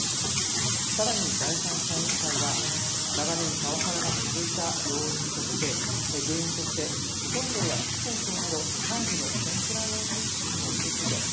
更に、第三者委員会は長年パワハラが続いた原因として、村長や副村長など幹部のコンプライアンス意識の欠如。